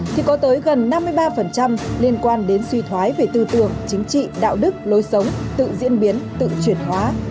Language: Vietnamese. thì có tới gần năm mươi ba liên quan đến suy thoái về tư tưởng chính trị đạo đức lối sống tự diễn biến tự chuyển hóa